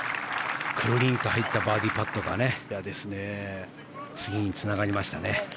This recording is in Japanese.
くるりんと入ったバーディーパットが次につながりましたね。